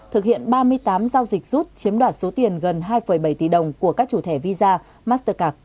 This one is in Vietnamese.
thực hiện ba mươi tám giao dịch rút chiếm đoạt số tiền gần hai bảy tỷ đồng của các chủ thẻ visa mastercar